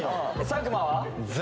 佐久間は？